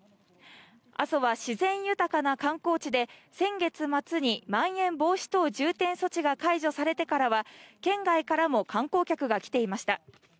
阿蘇は自然豊かな観光地で、先月末にまん延防止等重点措置が解除されてからは、県外からも観光客が来ていました。